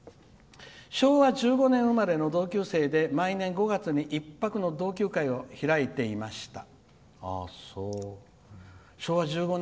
「昭和１５年生まれの同級生で毎年５月に１泊の同級会を開いていました。